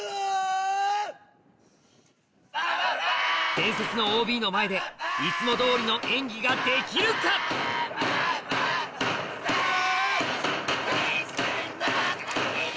・伝説の ＯＢ の前でいつも通りの演技ができるか⁉セイ！